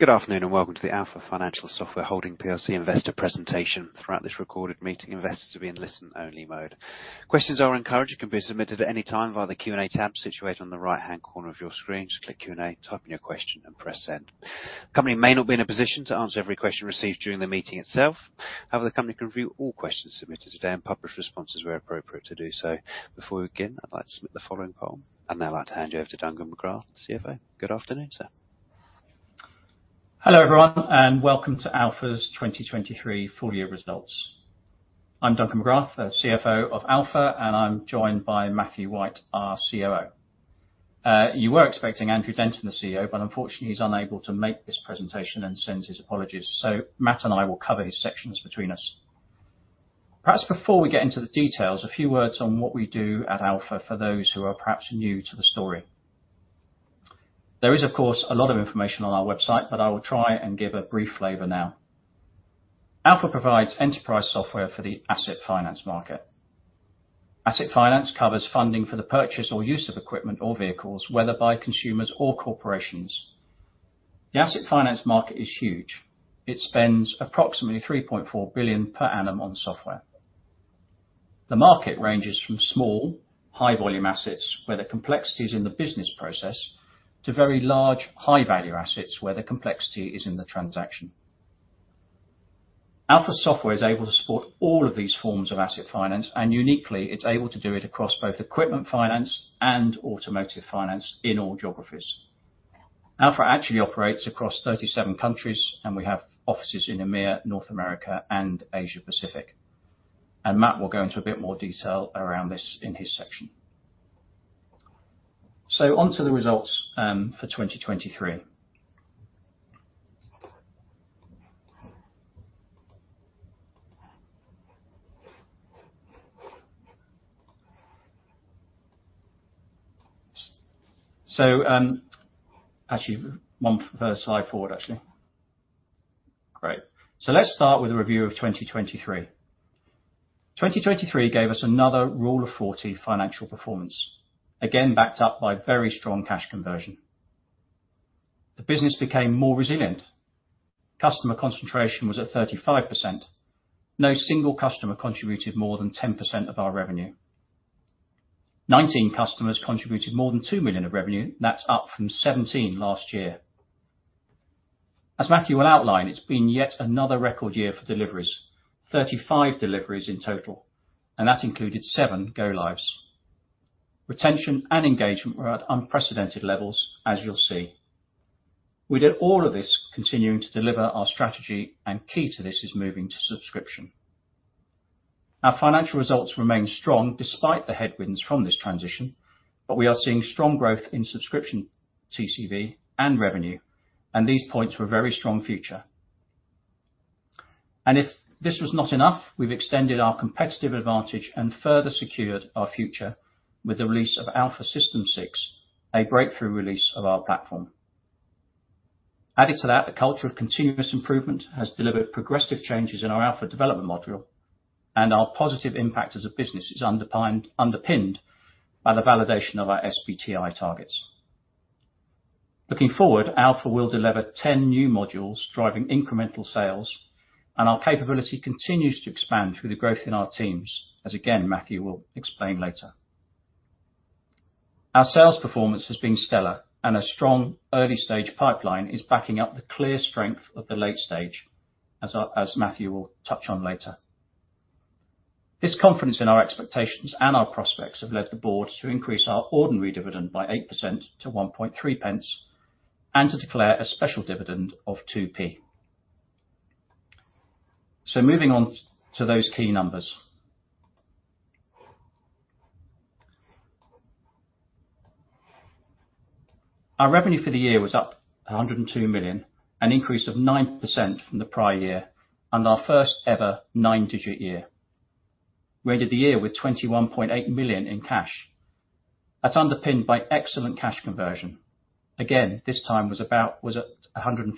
Good afternoon and welcome to the Alfa Financial Software Holdings PLC investor presentation. Throughout this recorded meeting, investors will be in listen-only mode. Questions are encouraged. You can be submitted at any time via the Q&A tab situated on the right-hand corner of your screen. Just click Q&A, type in your question, and press send. The company may not be in a position to answer every question received during the meeting itself. However, the company can review all questions submitted today and publish responses where appropriate to do so. Before we begin, I'd like to submit the following poll, and now I'd like to hand you over to Duncan Magrath, CFO. Good afternoon, sir. Hello everyone, and welcome to Alfa's 2023 full-year results. I'm Duncan Magrath, CFO of Alfa, and I'm joined by Matthew White, our COO. You were expecting Andrew Denton, the CEO, but unfortunately he's unable to make this presentation and send his apologies. So Matt and I will cover his sections between us. Perhaps before we get into the details, a few words on what we do at Alfa for those who are perhaps new to the story. There is, of course, a lot of information on our website, but I will try and give a brief flavor now. Alfa provides enterprise software for the asset finance market. Asset finance covers funding for the purchase or use of equipment or vehicles, whether by consumers or corporations. The asset finance market is huge. It spends approximately 3.4 billion per annum on software. The market ranges from small, high-volume assets, where the complexity is in the business process, to very large, high-value assets, where the complexity is in the transaction. Alfa Systems is able to support all of these forms of asset finance, and uniquely, it's able to do it across both equipment finance and automotive finance in all geographies. Alfa actually operates across 37 countries, and we have offices in EMEA, North America, and Asia Pacific. Matt will go into a bit more detail around this in his section. So onto the results for 2023. So, actually, one forward slide forward, actually. Great. So let's start with a review of 2023. 2023 gave us another Rule of 40 financial performance, again backed up by very strong cash conversion. The business became more resilient. Customer concentration was at 35%. No single customer contributed more than 10% of our revenue. 19 customers contributed more than 2 million of revenue. That's up from 17 last year. As Matthew will outline, it's been yet another record year for deliveries, 35 deliveries in total, and that included 7 go-lives. Retention and engagement were at unprecedented levels, as you'll see. We did all of this continuing to deliver our strategy, and key to this is moving to subscription. Our financial results remain strong despite the headwinds from this transition, but we are seeing strong growth in subscription TCV and revenue, and these points for a very strong future. And if this was not enough, we've extended our competitive advantage and further secured our future with the release of Alfa Systems 6, a breakthrough release of our platform. Added to that, a culture of continuous improvement has delivered progressive changes in our Alfa development module, and our positive impact as a business is underpinned by the validation of our SBTi targets. Looking forward, Alfa will deliver 10 new modules driving incremental sales, and our capability continues to expand through the growth in our teams, as again, Matthew will explain later. Our sales performance has been stellar, and a strong early-stage pipeline is backing up the clear strength of the late stage, as Matthew will touch on later. This confidence in our expectations and our prospects have led the board to increase our ordinary dividend by 8% to 1.3 pence and to declare a special dividend of GBP 2p. Moving on to those key numbers. Our revenue for the year was up 102 million, an increase of 9% from the prior year and our first-ever nine-digit year. We ended the year with 21.8 million in cash. That's underpinned by excellent cash conversion. Again, this time was at 115%.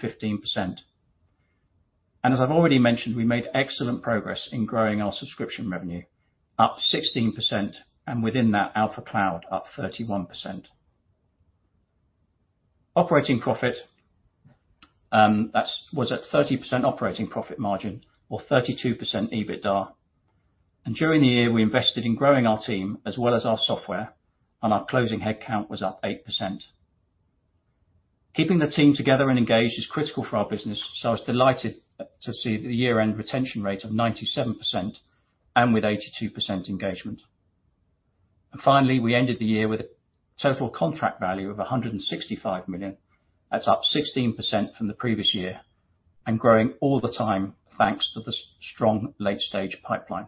And as I've already mentioned, we made excellent progress in growing our subscription revenue, up 16%, and within that, Alfa Cloud up 31%. Operating profit, that's at 30% operating profit margin or 32% EBITDA. And during the year, we invested in growing our team as well as our software, and our closing headcount was up 8%. Keeping the team together and engaged is critical for our business, so I was delighted to see the year-end retention rate of 97% and with 82% engagement. And finally, we ended the year with a total contract value of 165 million. That's up 16% from the previous year and growing all the time thanks to the strong late-stage pipeline.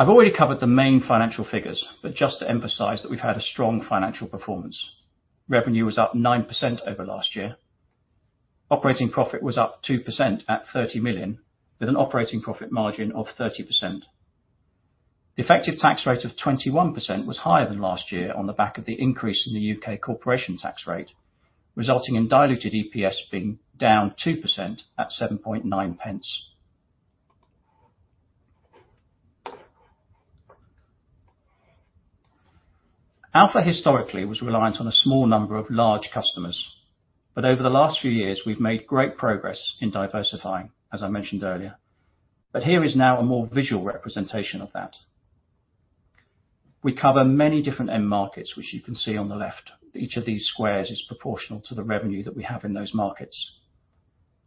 I've already covered the main financial figures, but just to emphasize that we've had a strong financial performance. Revenue was up 9% over last year. Operating profit was up 2% at 30 million, with an operating profit margin of 30%. The effective tax rate of 21% was higher than last year on the back of the increase in the U.K. corporation tax rate, resulting in diluted EPS being down 2% at 0.079. Alfa historically was reliant on a small number of large customers, but over the last few years, we've made great progress in diversifying, as I mentioned earlier. But here is now a more visual representation of that. We cover many different end markets, which you can see on the left. Each of these squares is proportional to the revenue that we have in those markets.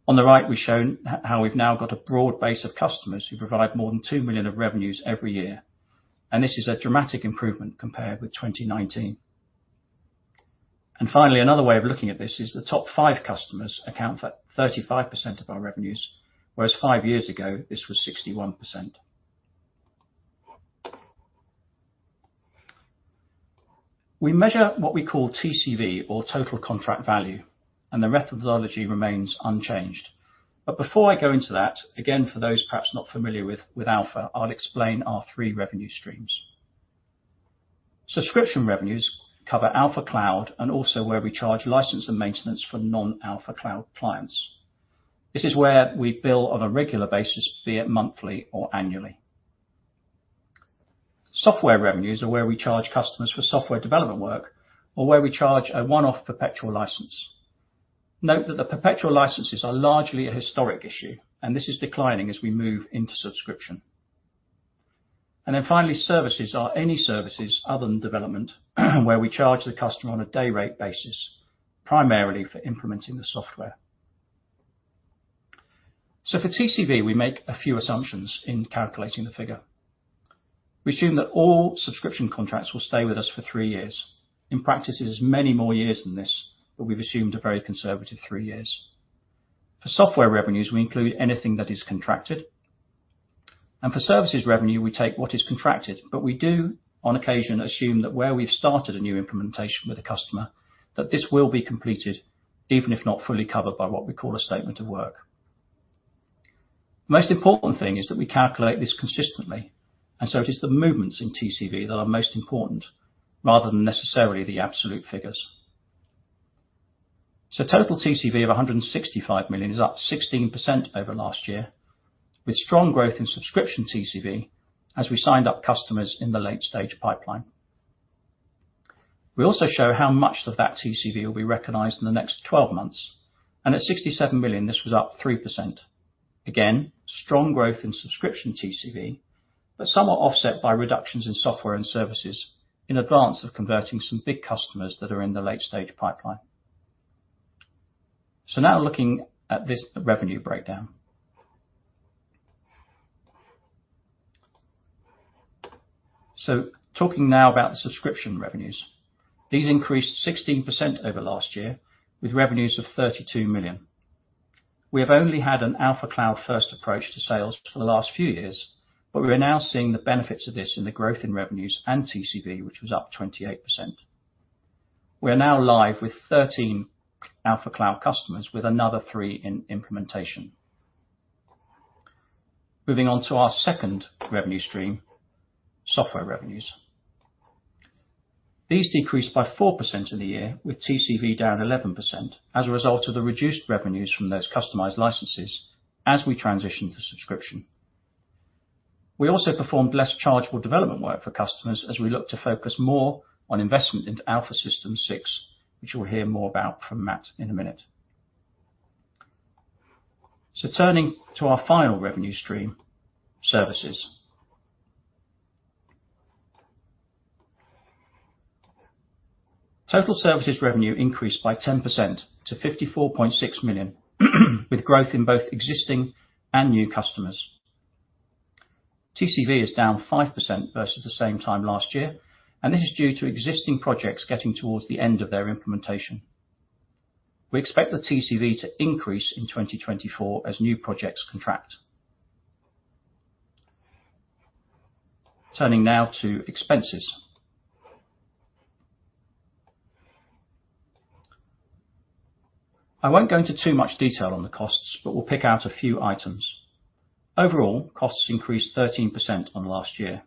On the right, we show how we've now got a broad base of customers who provide more than 2 million of revenues every year, and this is a dramatic improvement compared with 2019. Finally, another way of looking at this is the top five customers account for 35% of our revenues, whereas five years ago, this was 61%. We measure what we call TCV or total contract value, and the methodology remains unchanged. But before I go into that, again, for those perhaps not familiar with, with Alfa, I'll explain our three revenue streams. Subscription revenues cover Alfa Cloud and also where we charge license and maintenance for non-Alfa Cloud clients. This is where we bill on a regular basis, be it monthly or annually. Software revenues are where we charge customers for software development work or where we charge a one-off perpetual license. Note that the perpetual licenses are largely a historic issue, and this is declining as we move into subscription. Then finally, services are any services other than development where we charge the customer on a day-rate basis, primarily for implementing the software. For TCV, we make a few assumptions in calculating the figure. We assume that all subscription contracts will stay with us for three years. In practice, it is many more years than this, but we've assumed a very conservative three years. For software revenues, we include anything that is contracted. For services revenue, we take what is contracted, but we do, on occasion, assume that where we've started a new implementation with a customer, that this will be completed, even if not fully covered by what we call a Statement of Work. The most important thing is that we calculate this consistently, and so it is the movements in TCV that are most important rather than necessarily the absolute figures. So total TCV of 165 million is up 16% over last year, with strong growth in subscription TCV as we signed up customers in the late-stage pipeline. We also show how much of that TCV will be recognized in the next 12 months, and at 67 million, this was up 3%. Again, strong growth in subscription TCV, but somewhat offset by reductions in software and services in advance of converting some big customers that are in the late-stage pipeline. So now looking at this revenue breakdown. So talking now about the subscription revenues. These increased 16% over last year with revenues of 32 million. We have only had an Alfa Cloud-first approach to sales for the last few years, but we are now seeing the benefits of this in the growth in revenues and TCV, which was up 28%. We are now live with 13 Alfa Cloud customers, with another three in implementation. Moving on to our second revenue stream, software revenues. These decreased by 4% in the year, with TCV down 11% as a result of the reduced revenues from those customized licenses as we transitioned to subscription. We also performed less chargeable development work for customers as we looked to focus more on investment into Alfa Systems 6, which you'll hear more about from Matt in a minute. So turning to our final revenue stream, services. Total services revenue increased by 10% to 54.6 million, with growth in both existing and new customers. TCV is down 5% versus the same time last year, and this is due to existing projects getting towards the end of their implementation. We expect the TCV to increase in 2024 as new projects contract. Turning now to expenses. I won't go into too much detail on the costs, but we'll pick out a few items. Overall, costs increased 13% on last year.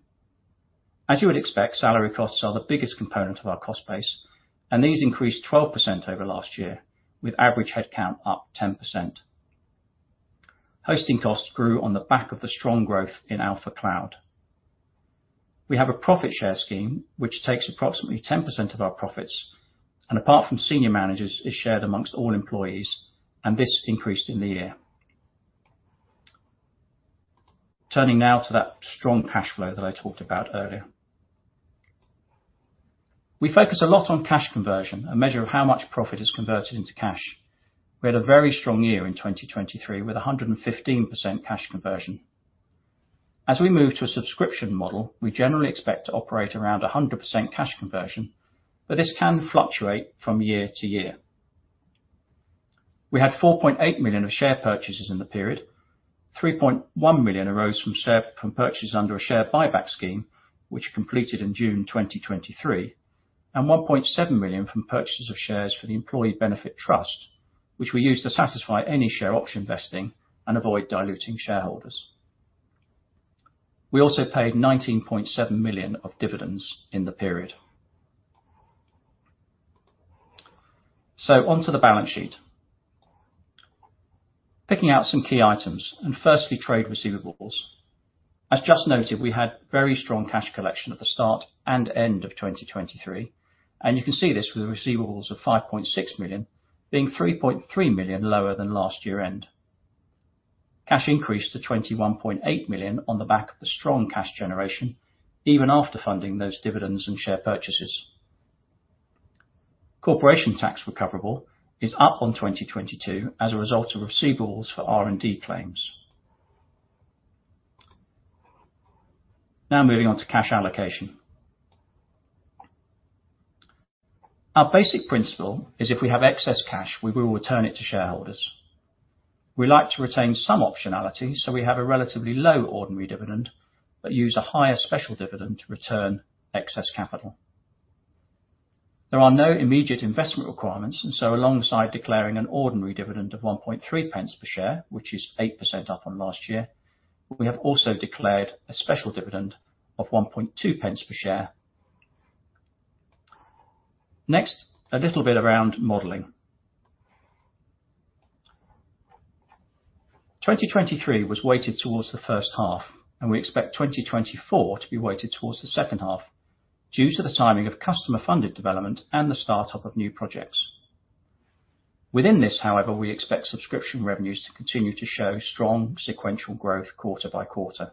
As you would expect, salary costs are the biggest component of our cost base, and these increased 12% over last year, with average headcount up 10%. Hosting costs grew on the back of the strong growth in Alfa Cloud. We have a profit share scheme, which takes approximately 10% of our profits and, apart from senior managers, is shared amongst all employees, and this increased in the year. Turning now to that strong cash flow that I talked about earlier. We focus a lot on cash conversion, a measure of how much profit is converted into cash. We had a very strong year in 2023 with 115% cash conversion. As we move to a subscription model, we generally expect to operate around 100% cash conversion, but this can fluctuate from year-to-year. We had 4.8 million of share purchases in the period. 3.1 million arose from share purchases under a share buyback scheme, which completed in June 2023, and 1.7 million from purchases of shares for the Employee Benefit Trust, which we used to satisfy any share option vesting and avoid diluting shareholders. We also paid 19.7 million of dividends in the period. So onto the balance sheet. Picking out some key items and firstly, trade receivables. As just noted, we had very strong cash collection at the start and end of 2023, and you can see this with receivables of 5.6 million being 3.3 million lower than last year-end. Cash increased to 21.8 million on the back of the strong cash generation, even after funding those dividends and share purchases. Corporation tax recoverable is up on 2022 as a result of receivables for R&D claims. Now moving on to cash allocation. Our basic principle is if we have excess cash, we will return it to shareholders. We like to retain some optionality, so we have a relatively low ordinary dividend but use a higher special dividend to return excess capital. There are no immediate investment requirements, and so alongside declaring an ordinary dividend of 0.013 per share, which is 8% up on last year, we have also declared a special dividend of 0.012 per share. Next, a little bit around modeling. 2023 was weighted towards the first half, and we expect 2024 to be weighted towards the second half due to the timing of customer-funded development and the startup of new projects. Within this, however, we expect subscription revenues to continue to show strong sequential growth quarter by quarter.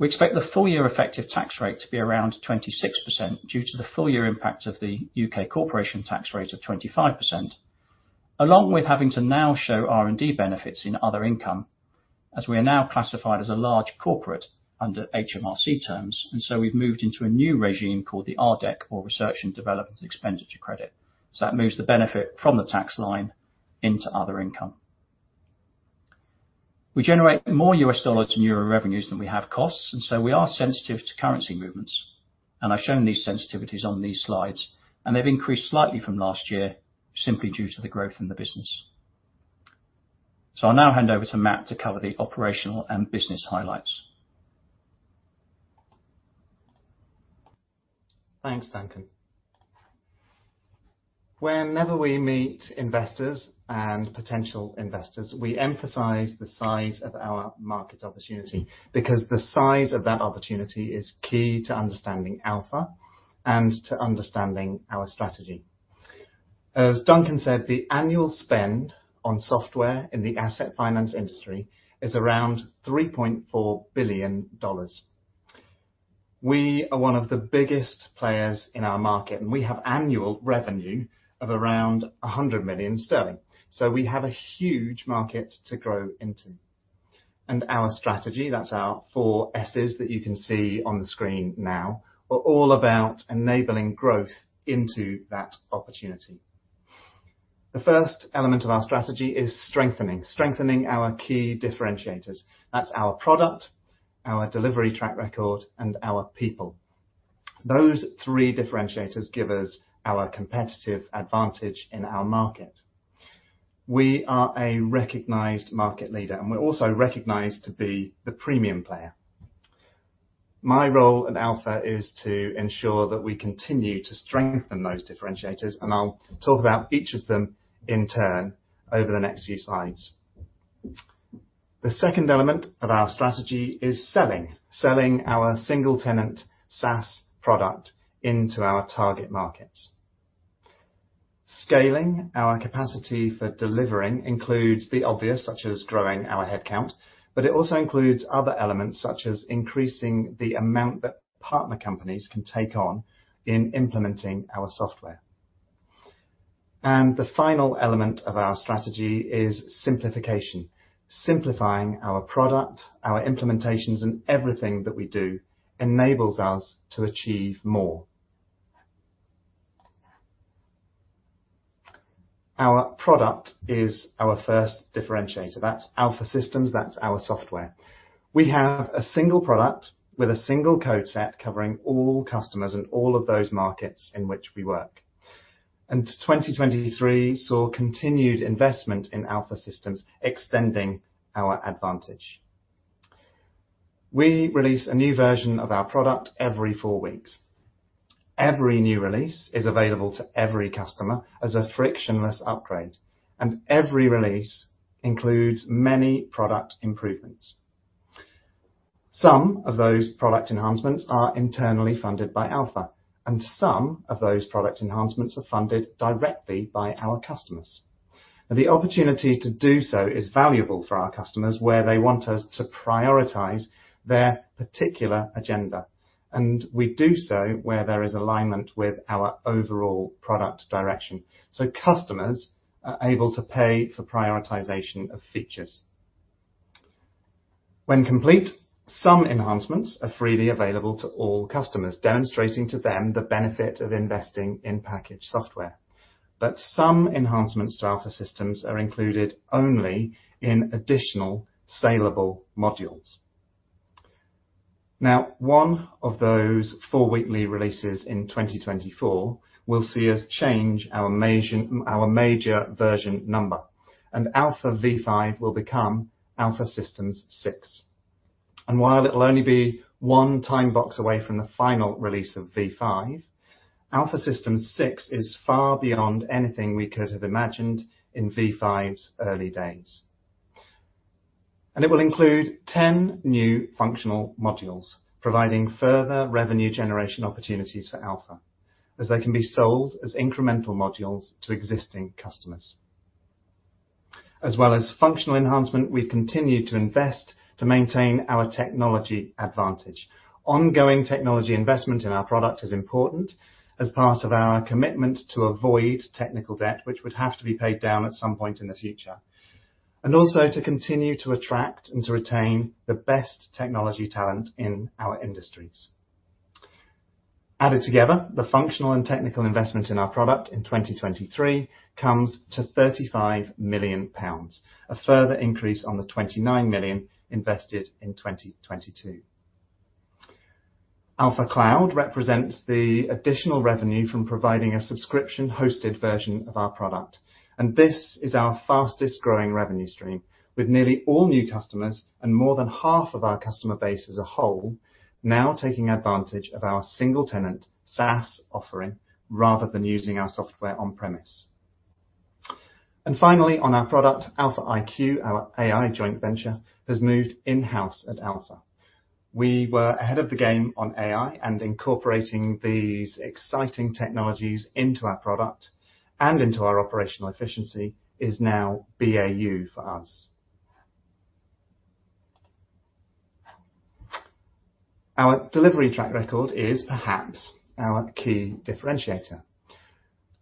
We expect the full-year effective tax rate to be around 26% due to the full-year impact of the UK corporation tax rate of 25%, along with having to now show R&D benefits in other income as we are now classified as a large corporate under HMRC terms, and so we've moved into a new regime called the RDEC or Research and Development Expenditure Credit. So that moves the benefit from the tax line into other income. We generate more U.S. dollars in euro revenues than we have costs, and so we are sensitive to currency movements, and I've shown these sensitivities on these slides, and they've increased slightly from last year simply due to the growth in the business. So I'll now hand over to Matt to cover the operational and business highlights. Thanks, Duncan. Whenever we meet investors and potential investors, we emphasize the size of our market opportunity because the size of that opportunity is key to understanding Alfa and to understanding our strategy. As Duncan said, the annual spend on software in the asset finance industry is around $3.4 billion. We are one of the biggest players in our market, and we have annual revenue of around 100 million sterling, so we have a huge market to grow into. Our strategy - that's our four S's that you can see on the screen now - are all about enabling growth into that opportunity. The first element of our strategy is strengthening, strengthening our key differentiators. That's our product, our delivery track record, and our people. Those three differentiators give us our competitive advantage in our market. We are a recognized market leader, and we're also recognized to be the premium player. My role at Alfa is to ensure that we continue to strengthen those differentiators, and I'll talk about each of them in turn over the next few slides. The second element of our strategy is selling, selling our single-tenant SaaS product into our target markets. Scaling our capacity for delivering includes the obvious, such as growing our headcount, but it also includes other elements such as increasing the amount that partner companies can take on in implementing our software. And the final element of our strategy is simplification. Simplifying our product, our implementations, and everything that we do enables us to achieve more. Our product is our first differentiator. That's Alfa Systems. That's our software. We have a single product with a single code set covering all customers and all of those markets in which we work. And 2023 saw continued investment in Alfa Systems extending our advantage. We release a new version of our product every four weeks. Every new release is available to every customer as a frictionless upgrade, and every release includes many product improvements. Some of those product enhancements are internally funded by Alfa, and some of those product enhancements are funded directly by our customers. Now, the opportunity to do so is valuable for our customers where they want us to prioritize their particular agenda, and we do so where there is alignment with our overall product direction. So customers are able to pay for prioritization of features. When complete, some enhancements are freely available to all customers, demonstrating to them the benefit of investing in packaged software. But some enhancements to Alfa Systems are included only in additional saleable modules. Now, one of those four-weekly releases in 2024 will see us change our major version number, and Alfa v5 will become Alfa Systems 6. While it'll only be one time box away from the final release of v5, Alfa Systems 6 is far beyond anything we could have imagined in v5's early days. It will include 10 new functional modules, providing further revenue generation opportunities for Alfa, as they can be sold as incremental modules to existing customers. As well as functional enhancement, we've continued to invest to maintain our technology advantage. Ongoing technology investment in our product is important as part of our commitment to avoid technical debt, which would have to be paid down at some point in the future, and also to continue to attract and to retain the best technology talent in our industries. Added together, the functional and technical investment in our product in 2023 comes to 35 million pounds, a further increase on the 29 million invested in 2022. Alfa Cloud represents the additional revenue from providing a subscription-hosted version of our product, and this is our fastest-growing revenue stream, with nearly all new customers and more than half of our customer base as a whole now taking advantage of our single-tenant SaaS offering rather than using our software on-premise. Finally, on our product, Alfa iQ, our AI joint venture, has moved in-house at Alfa. We were ahead of the game on AI, and incorporating these exciting technologies into our product and into our operational efficiency is now BAU for us. Our delivery track record is perhaps our key differentiator.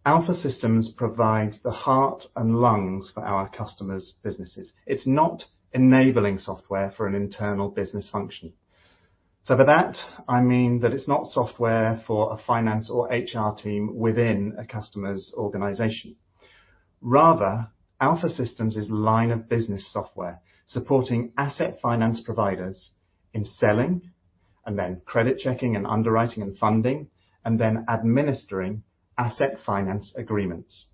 Alfa Systems provides the heart and lungs for our customers' businesses. It's not enabling software for an internal business function. So by that, I mean that it's not software for a finance or HR team within a customer's organization. Rather, Alfa Systems is line-of-business software supporting asset finance providers in selling and then credit checking and underwriting and funding and then administering asset finance agreements.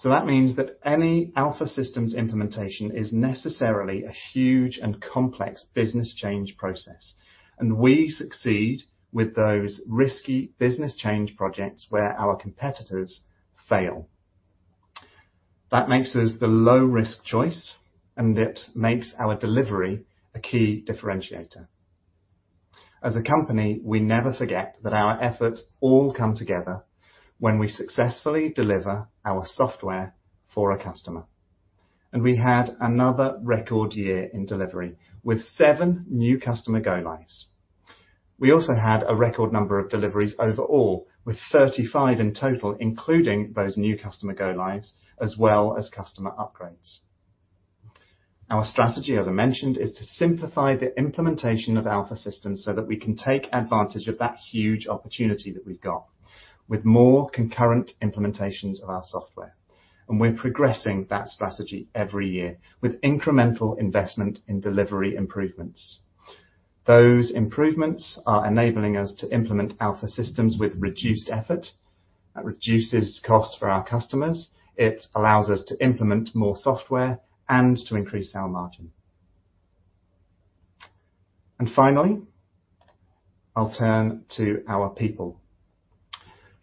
So that means that any Alfa Systems implementation is necessarily a huge and complex business change process, and we succeed with those risky business change projects where our competitors fail. That makes us the low-risk choice, and it makes our delivery a key differentiator. As a company, we never forget that our efforts all come together when we successfully deliver our software for a customer. And we had another record year in delivery with seven new customer go-lives. We also had a record number of deliveries overall, with 35 in total, including those new customer go-lives as well as customer upgrades. Our strategy, as I mentioned, is to simplify the implementation of Alfa Systems so that we can take advantage of that huge opportunity that we've got with more concurrent implementations of our software. We're progressing that strategy every year with incremental investment in delivery improvements. Those improvements are enabling us to implement Alfa Systems with reduced effort. That reduces costs for our customers. It allows us to implement more software and to increase our margin. Finally, I'll turn to our people.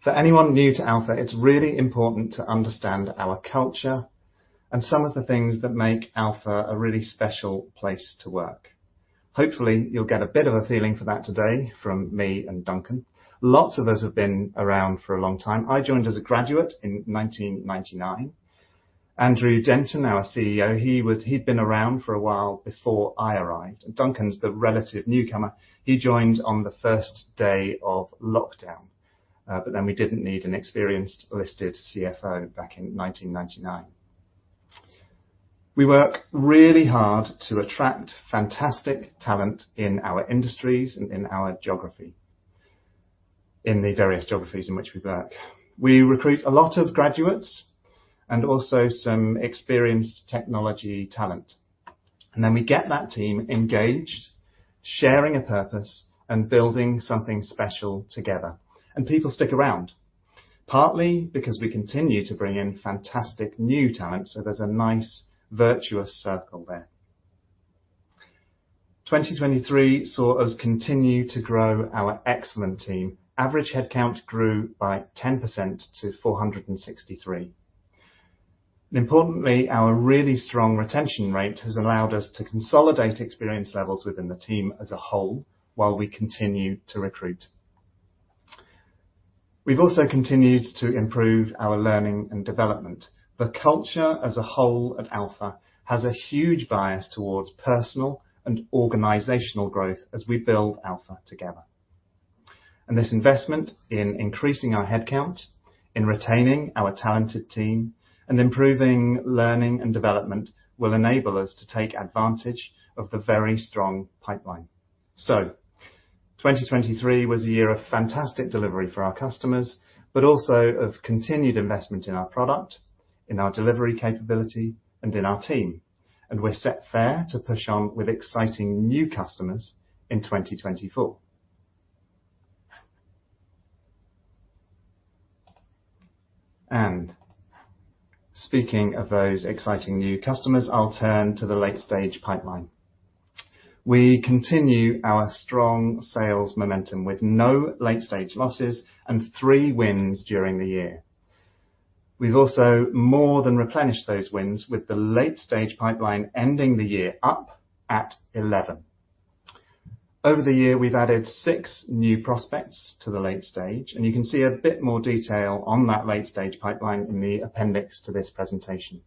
For anyone new to Alfa, it's really important to understand our culture and some of the things that make Alfa a really special place to work. Hopefully, you'll get a bit of a feeling for that today from me and Duncan. Lots of us have been around for a long time. I joined as a graduate in 1999. Andrew Denton, our CEO, he'd been around for a while before I arrived. Duncan's the relative newcomer. He joined on the first day of lockdown, but then we didn't need an experienced listed CFO back in 1999. We work really hard to attract fantastic talent in our industries and in our geography, in the various geographies in which we work. We recruit a lot of graduates and also some experienced technology talent. And then we get that team engaged, sharing a purpose, and building something special together. And people stick around, partly because we continue to bring in fantastic new talent, so there's a nice virtuous circle there. 2023 saw us continue to grow our excellent team. Average headcount grew by 10% to 463. Importantly, our really strong retention rate has allowed us to consolidate experience levels within the team as a whole while we continue to recruit. We've also continued to improve our learning and development. The culture as a whole at Alfa has a huge bias towards personal and organizational growth as we build Alfa together. This investment in increasing our headcount, in retaining our talented team, and improving learning and development will enable us to take advantage of the very strong pipeline. So 2023 was a year of fantastic delivery for our customers, but also of continued investment in our product, in our delivery capability, and in our team. We're set to push on with exciting new customers in 2024. Speaking of those exciting new customers, I'll turn to the late-stage pipeline. We continue our strong sales momentum with no late-stage losses and three wins during the year. We've also more than replenished those wins with the late-stage pipeline ending the year up at 11. Over the year, we've added six new prospects to the late stage, and you can see a bit more detail on that late-stage pipeline in the appendix to this presentation.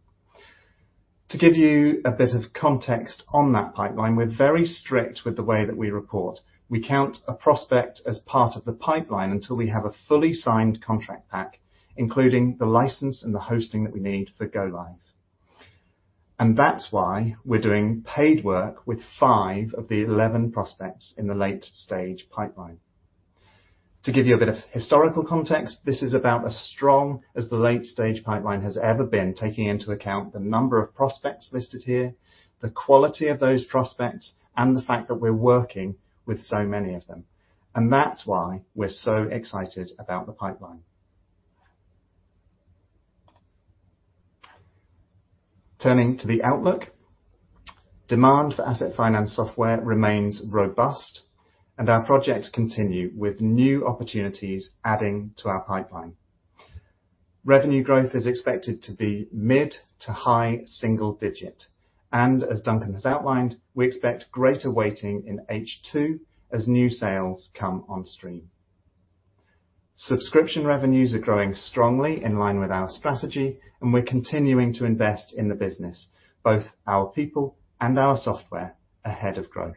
To give you a bit of context on that pipeline, we're very strict with the way that we report. We count a prospect as part of the pipeline until we have a fully signed contract pack, including the license and the hosting that we need for go-live. And that's why we're doing paid work with 5 of the 11 prospects in the late-stage pipeline. To give you a bit of historical context, this is about as strong as the late-stage pipeline has ever been, taking into account the number of prospects listed here, the quality of those prospects, and the fact that we're working with so many of them. That's why we're so excited about the pipeline. Turning to the outlook, demand for asset finance software remains robust, and our projects continue with new opportunities adding to our pipeline. Revenue growth is expected to be mid to high single digit. As Duncan has outlined, we expect greater weighting in H2 as new sales come on stream. Subscription revenues are growing strongly in line with our strategy, and we're continuing to invest in the business, both our people and our software ahead of growth.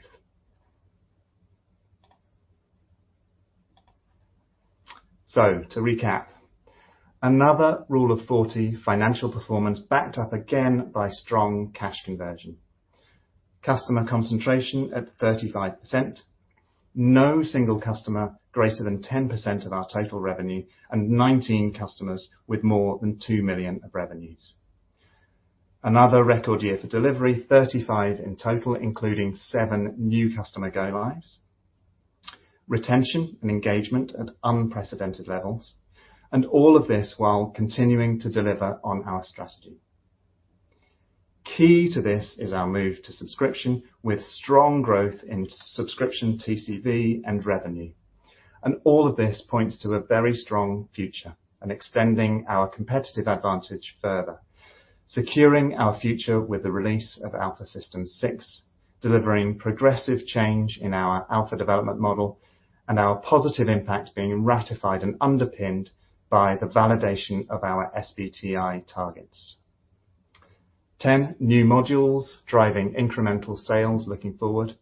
To recap, another Rule of 40 financial performance backed up again by strong cash conversion. Customer concentration at 35%. No single customer greater than 10% of our total revenue and 19 customers with more than 2 million of revenues. Another record year for delivery, 35 in total, including seven new customer go-lives. Retention and engagement at unprecedented levels. All of this while continuing to deliver on our strategy. Key to this is our move to subscription with strong growth in subscription TCV and revenue. All of this points to a very strong future and extending our competitive advantage further, securing our future with the release of Alfa Systems 6, delivering progressive change in our Alfa development model, and our positive impact being ratified and underpinned by the validation of our SBTi targets. 10 new modules driving incremental sales looking forward,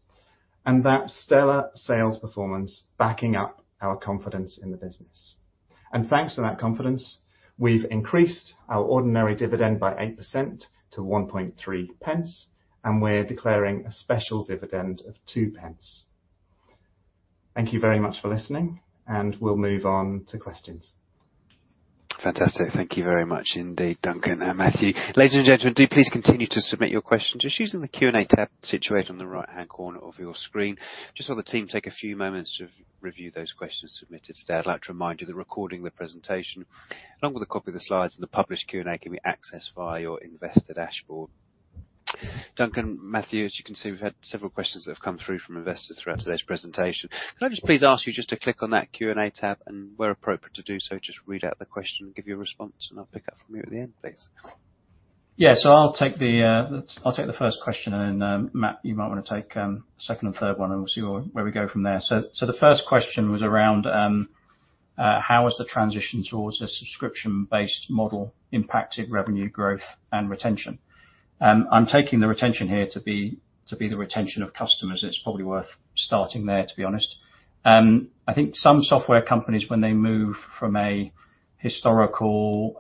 and that stellar sales performance backing up our confidence in the business. Thanks to that confidence, we've increased our ordinary dividend by 8% to 0.013, and we're declaring a special dividend of 0.02. Thank you very much for listening, and we'll move on to questions. Fantastic. Thank you very much, indeed, Duncan and Matthew. Ladies and gentlemen, do please continue to submit your questions just using the Q&A tab situated on the right-hand corner of your screen. Just want the team to take a few moments to review those questions submitted today. I'd like to remind you that recording the presentation, along with a copy of the slides and the published Q&A, can be accessed via your investor dashboard. Duncan, Matthew, as you can see, we've had several questions that have come through from investors throughout today's presentation. Can I just please ask you just to click on that Q&A tab, and where appropriate to do so, just read out the question and give your response, and I'll pick up from you at the end, please. Yeah. So I'll take the first question, and then, Matt, you might want to take the second and third one, and we'll see where we go from there. So the first question was around, how has the transition towards a subscription-based model impacted revenue growth and retention? I'm taking the retention here to be the retention of customers. It's probably worth starting there, to be honest. I think some software companies, when they move from a historical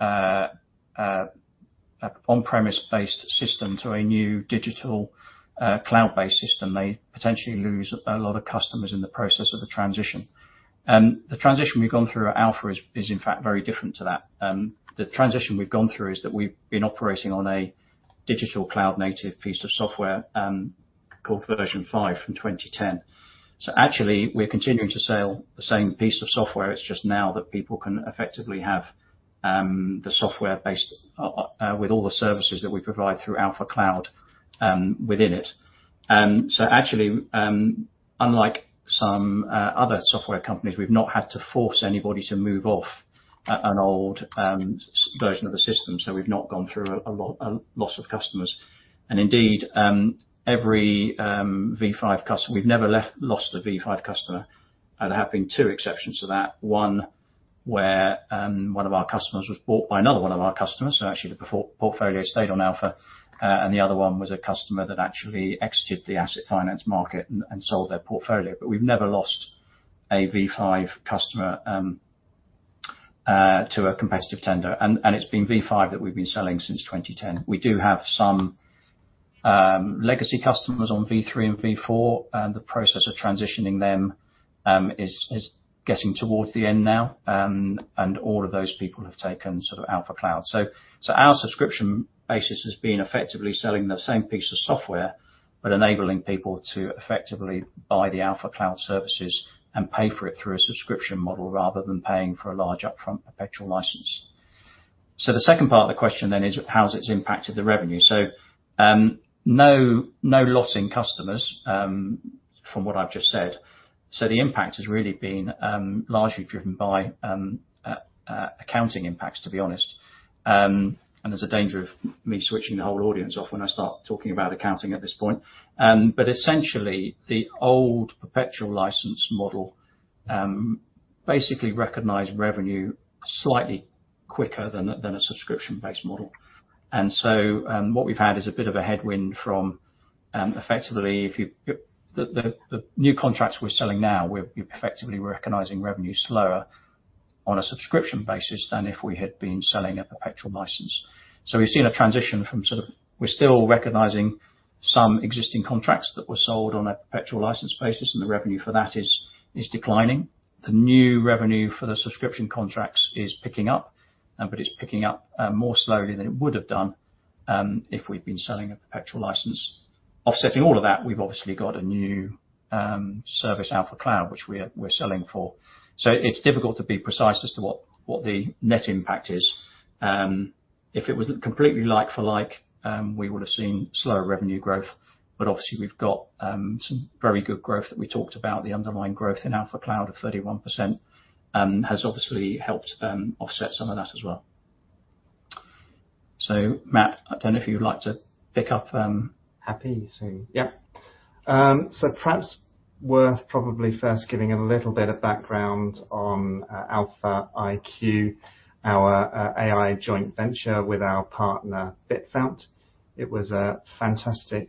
on-premise-based system to a new digital cloud-based system, they potentially lose a lot of customers in the process of the transition. The transition we've gone through at Alfa is, in fact, very different to that. The transition we've gone through is that we've been operating on a digital cloud-native piece of software called version 5 from 2010. So actually, we're continuing to sell the same piece of software. It's just now that people can effectively have the software based with all the services that we provide through Alfa Cloud within it. So actually, unlike some other software companies, we've not had to force anybody to move off an old version of the system. So we've not gone through a loss of customers. And indeed, every v5 customer we've never lost a v5 customer. There have been two exceptions to that. One where one of our customers was bought by another one of our customers. So actually, the portfolio stayed on Alfa, and the other one was a customer that actually exited the asset finance market and sold their portfolio. But we've never lost a v5 customer to a competitive tender. And it's been v5 that we've been selling since 2010. We do have some legacy customers on v3 and v4, and the process of transitioning them is getting towards the end now. And all of those people have taken sort of Alfa Cloud. So our subscription basis has been effectively selling the same piece of software but enabling people to effectively buy the Alfa Cloud services and pay for it through a subscription model rather than paying for a large upfront perpetual license. So the second part of the question, then, is how has it impacted the revenue? So no losing customers from what I've just said. So the impact has really been largely driven by accounting impacts, to be honest. And there's a danger of me switching the whole audience off when I start talking about accounting at this point. But essentially, the old perpetual license model basically recognized revenue slightly quicker than a subscription-based model. So what we've had is a bit of a headwind from effectively, if you the new contracts we're selling now, we're effectively recognizing revenue slower on a subscription basis than if we had been selling a perpetual license. So we've seen a transition from sort of, we're still recognizing some existing contracts that were sold on a perpetual license basis, and the revenue for that is declining. The new revenue for the subscription contracts is picking up, but it's picking up more slowly than it would have done if we'd been selling a perpetual license. Offsetting all of that, we've obviously got a new service Alfa Cloud, which we're selling for. So it's difficult to be precise as to what the net impact is. If it was completely like for like, we would have seen slower revenue growth. But obviously, we've got some very good growth that we talked about. The underlying growth in Alfa Cloud of 31% has obviously helped offset some of that as well. So Matt, I don't know if you'd like to pick up. Happy. Yep. So perhaps worth probably first giving a little bit of background on Alfa iQ, our AI joint venture with our partner Bitfount. It was a fantastic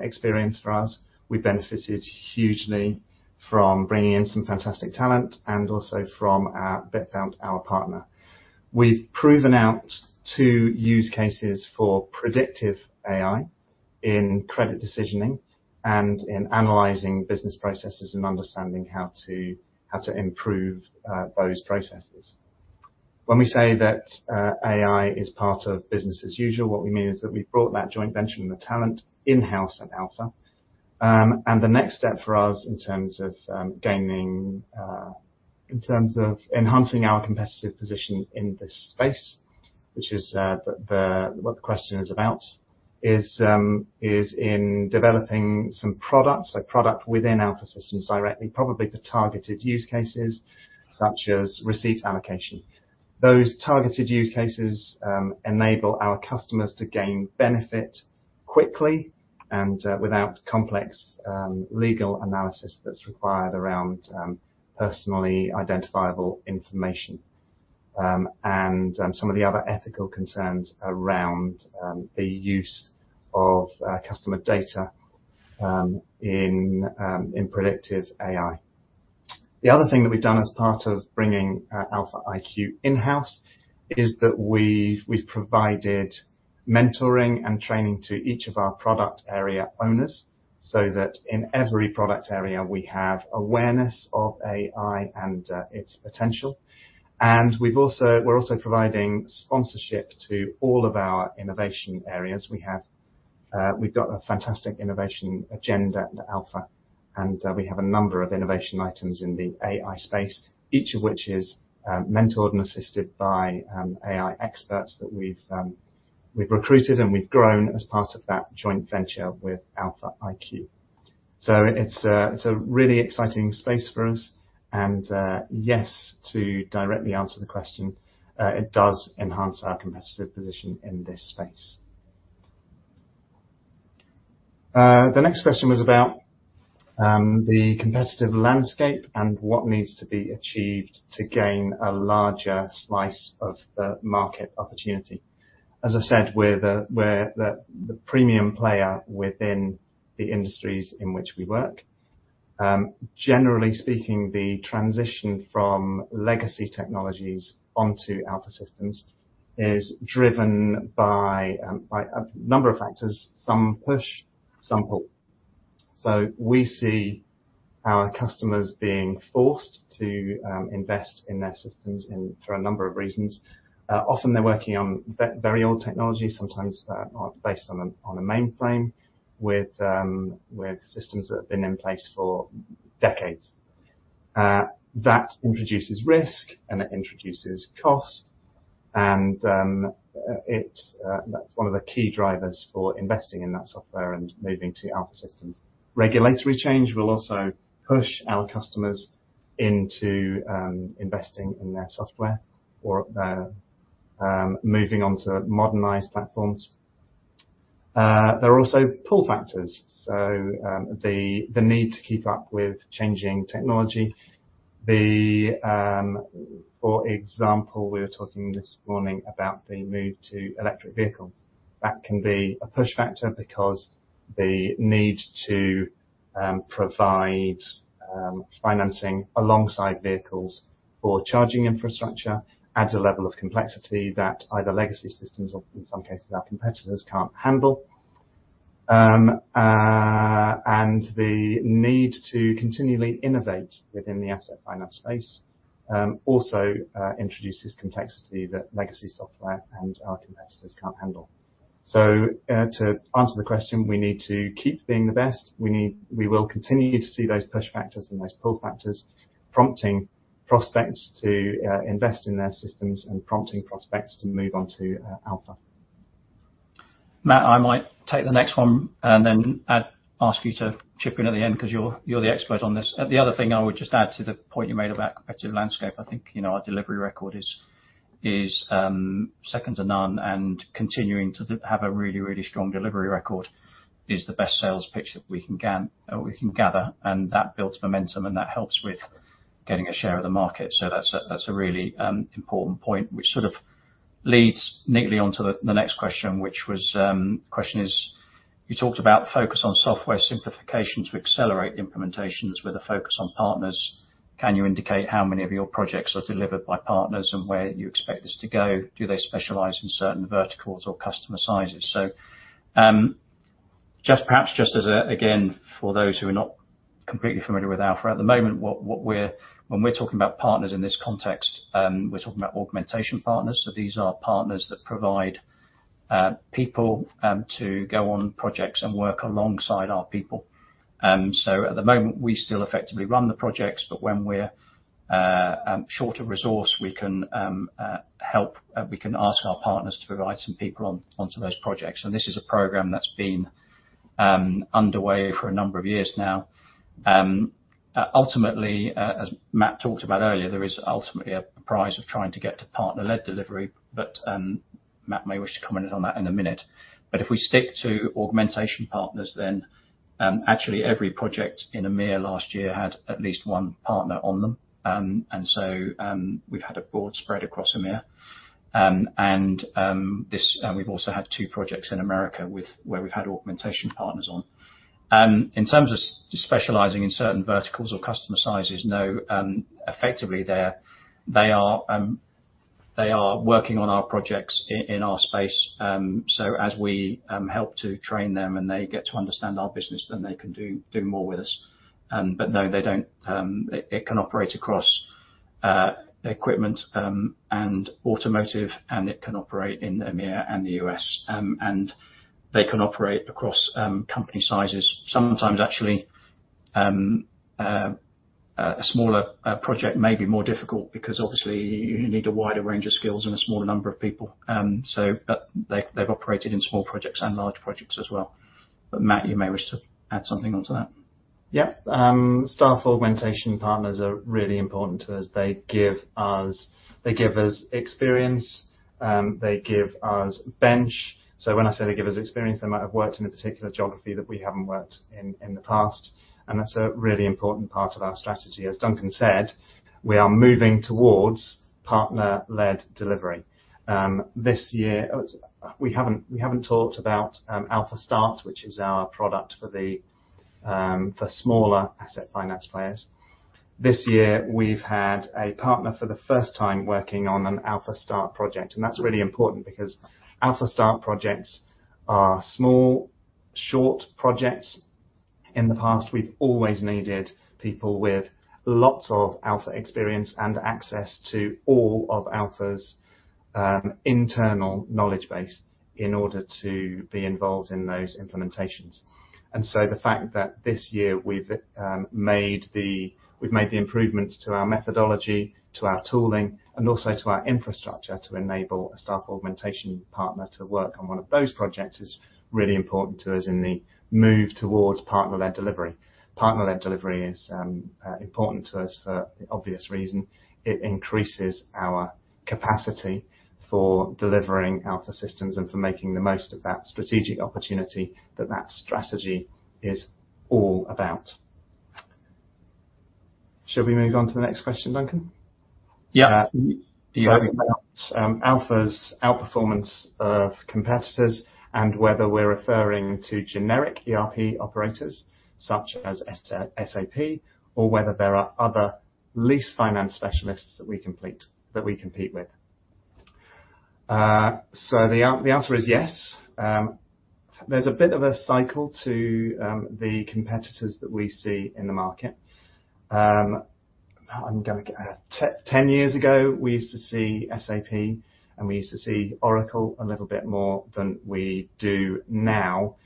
experience for us. We benefited hugely from bringing in some fantastic talent and also from Bitfount, our partner. We've proven out two use cases for predictive AI in credit decisioning and in analyzing business processes and understanding how to improve those processes. When we say that AI is part of business as usual, what we mean is that we've brought that joint venture and the talent in-house at Alfa. And the next step for us in terms of gaining in terms of enhancing our competitive position in this space, which is what the question is about, is in developing some products, like product within Alfa Systems directly, probably for targeted use cases such as receipt allocation. Those targeted use cases enable our customers to gain benefit quickly and without complex legal analysis that's required around personally identifiable information and some of the other ethical concerns around the use of customer data in predictive AI. The other thing that we've done as part of bringing Alfa iQ in-house is that we've provided mentoring and training to each of our product area owners so that in every product area, we have awareness of AI and its potential. We're also providing sponsorship to all of our innovation areas. We've got a fantastic innovation agenda at Alfa, and we have a number of innovation items in the AI space, each of which is mentored and assisted by AI experts that we've recruited and we've grown as part of that joint venture with Alfa iQ. It's a really exciting space for us. Yes, to directly answer the question, it does enhance our competitive position in this space. The next question was about the competitive landscape and what needs to be achieved to gain a larger slice of the market opportunity. As I said, we're the premium player within the industries in which we work. Generally speaking, the transition from legacy technologies onto Alfa Systems is driven by a number of factors. Some push, some pull. We see our customers being forced to invest in their systems for a number of reasons. Often, they're working on very old technologies, sometimes based on a mainframe with systems that have been in place for decades. That introduces risk, and it introduces cost. That's one of the key drivers for investing in that software and moving to Alfa Systems. Regulatory change will also push our customers into investing in their software or moving on to modernized platforms. There are also pull factors, so the need to keep up with changing technology. For example, we were talking this morning about the move to electric vehicles. That can be a push factor because the need to provide financing alongside vehicles for charging infrastructure adds a level of complexity that either legacy systems or, in some cases, our competitors can't handle. And the need to continually innovate within the asset finance space also introduces complexity that legacy software and our competitors can't handle. So to answer the question, we need to keep being the best. We will continue to see those push factors and those pull factors prompting prospects to invest in their systems and prompting prospects to move on to Alfa. Matt, I might take the next one and then ask you to chip in at the end because you're the expert on this. The other thing I would just add to the point you made about competitive landscape, I think our delivery record is second to none, and continuing to have a really, really strong delivery record is the best sales pitch that we can gather. That builds momentum, and that helps with getting a share of the market. That's a really important point, which sort of leads neatly onto the next question, which was the question is, you talked about focus on software simplification to accelerate implementations with a focus on partners. Can you indicate how many of your projects are delivered by partners and where you expect this to go? Do they specialize in certain verticals or customer sizes? So, perhaps just as a, again, for those who are not completely familiar with Alfa at the moment, when we're talking about partners in this context, we're talking about augmentation partners. So these are partners that provide people to go on projects and work alongside our people. So at the moment, we still effectively run the projects, but when we're shorter resource, we can ask our partners to provide some people onto those projects. And this is a program that's been underway for a number of years now. Ultimately, as Matt talked about earlier, there is ultimately a price of trying to get to partner-led delivery. But Matt may wish to comment on that in a minute. But if we stick to augmentation partners, then actually, every project in EMEA last year had at least one partner on them. We've had a broad spread across EMEA. We've also had two projects in America where we've had augmentation partners on. In terms of specializing in certain verticals or customer sizes, no. Effectively, they are working on our projects in our space. So as we help to train them and they get to understand our business, then they can do more with us. But no, it can operate across equipment and automotive, and it can operate in EMEA and the U.S. And they can operate across company sizes. Sometimes, actually, a smaller project may be more difficult because obviously, you need a wider range of skills and a smaller number of people. But they've operated in small projects and large projects as well. But Matt, you may wish to add something onto that. Yep. Staff augmentation partners are really important to us. They give us experience. They give us bench. So when I say they give us experience, they might have worked in a particular geography that we haven't worked in the past. And that's a really important part of our strategy. As Duncan said, we are moving towards partner-led delivery. We haven't talked about Alfa Start, which is our product for smaller asset finance players. This year, we've had a partner for the first time working on an Alfa Start project. And that's really important because Alfa Start projects are small, short projects. In the past, we've always needed people with lots of Alfa experience and access to all of Alfa's internal knowledge base in order to be involved in those implementations. And so the fact that this year, we've made the improvements to our methodology, to our tooling, and also to our infrastructure to enable a staff augmentation partner to work on one of those projects is really important to us in the move towards partner-led delivery. Partner-led delivery is important to us for the obvious reason. It increases our capacity for delivering Alfa Systems and for making the most of that strategic opportunity that that strategy is all about. Shall we move on to the next question, Duncan? Yep. It's about Alfa's outperformance of competitors and whether we're referring to generic ERP operators such as SAP or whether there are other lease finance specialists that we compete with. The answer is yes. There's a bit of a cycle to the competitors that we see in the market. 10 years ago, we used to see SAP, and we used to see Oracle a little bit more than we do now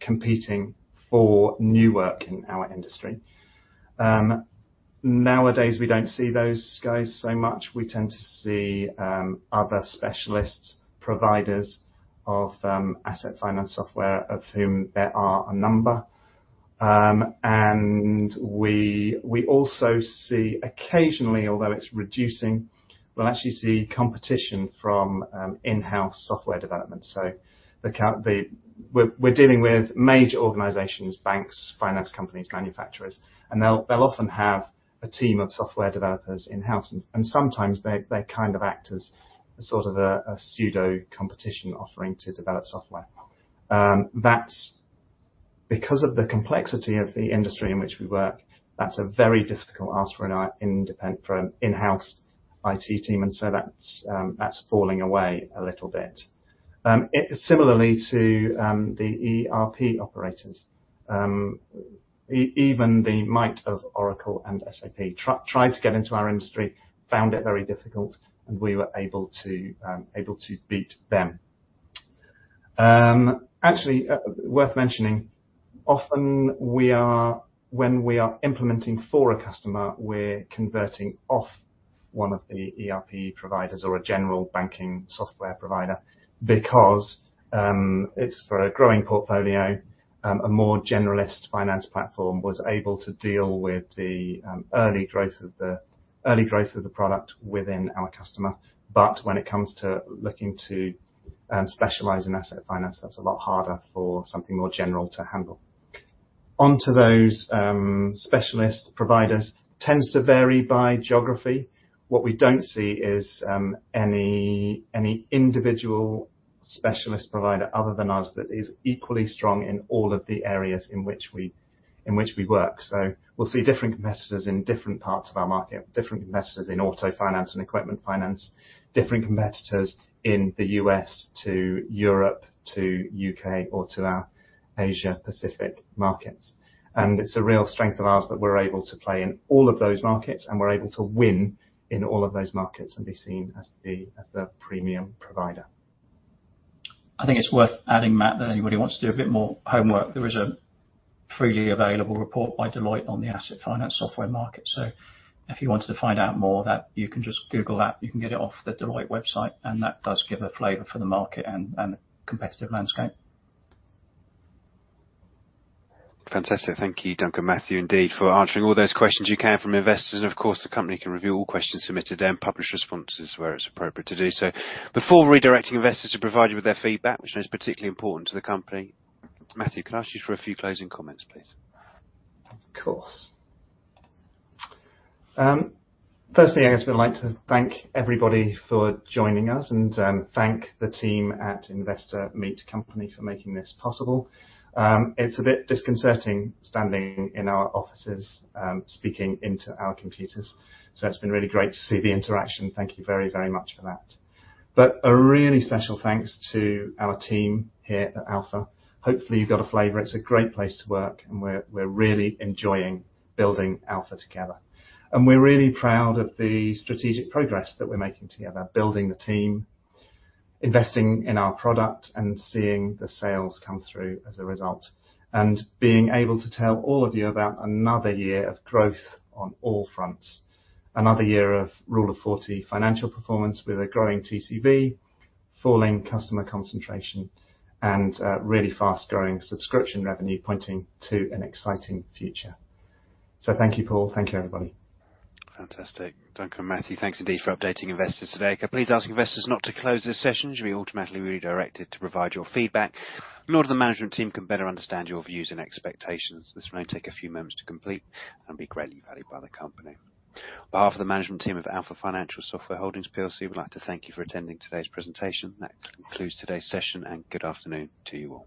competing for new work in our industry. Nowadays, we don't see those guys so much. We tend to see other specialists, providers of asset finance software, of whom there are a number. We also see occasionally, although it's reducing, we'll actually see competition from in-house software development. We're dealing with major organizations, banks, finance companies, manufacturers. They'll often have a team of software developers in-house. And sometimes, they kind of act as sort of a pseudo competition offering to develop software. Because of the complexity of the industry in which we work, that's a very difficult ask for an in-house IT team. And so that's falling away a little bit. Similarly to the ERP operators, even the might of Oracle and SAP tried to get into our industry, found it very difficult, and we were able to beat them. Actually, worth mentioning, when we are implementing for a customer, we're converting off one of the ERP providers or a general banking software provider because it's for a growing portfolio. A more generalist finance platform was able to deal with the early growth of the product within our customer. But when it comes to looking to specialize in asset finance, that's a lot harder for something more general to handle. Onto those specialist providers, tends to vary by geography. What we don't see is any individual specialist provider other than us that is equally strong in all of the areas in which we work. So we'll see different competitors in different parts of our market, different competitors in auto finance and equipment finance, different competitors in the U.S. to Europe to U.K. or to our Asia-Pacific markets. It's a real strength of ours that we're able to play in all of those markets, and we're able to win in all of those markets and be seen as the premium provider. I think it's worth adding, Matt, that anybody wants to do a bit more homework, there is a freely available report by Deloitte on the asset finance software market. So if you wanted to find out more, you can just google that. You can get it off the Deloitte website, and that does give a flavor for the market and the competitive landscape. Fantastic. Thank you, Duncan Matthew, indeed, for answering all those questions you can from investors. Of course, the company can review all questions submitted and publish responses where it's appropriate to do so before redirecting investors to provide you with their feedback, which I know is particularly important to the company. Matthew, can I ask you for a few closing comments, please? Of course. Firstly, I guess we'd like to thank everybody for joining us and thank the team at Investor Meet Company for making this possible. It's a bit disconcerting standing in our offices speaking into our computers. So it's been really great to see the interaction. Thank you very, very much for that. But a really special thanks to our team here at Alfa. Hopefully, you've got a flavor. It's a great place to work, and we're really enjoying building Alfa together. And we're really proud of the strategic progress that we're making together, building the team, investing in our product, and seeing the sales come through as a result, and being able to tell all of you about another year of growth on all fronts, another year of Rule of 40 financial performance with a growing TCV, falling customer concentration, and really fast-growing subscription revenue pointing to an exciting future. So thank you, Paul. Thank you, everybody. Fantastic. Duncan, Matthew, thanks indeed for updating investors today. Please ask investors not to close this session. You'll be automatically redirected to provide your feedback in order the management team can better understand your views and expectations. This will only take a few moments to complete and be greatly valued by the company. On behalf of the management team of Alfa Financial Software Holdings PLC, we'd like to thank you for attending today's presentation. That concludes today's session, and good afternoon to you all.